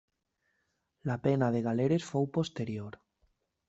La pena de galeres fou posterior.